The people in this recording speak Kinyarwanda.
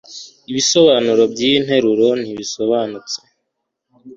ibisobanuro by'iyi nteruro ntibisobanutse